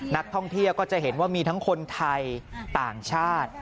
นักท่องเที่ยวก็จะเห็นว่ามีทั้งคนไทยต่างชาติ